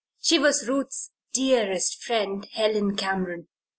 She was Ruth's dearest friend, Helen Cameron.